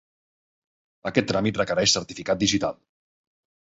Aquest tràmit requereix certificat digital.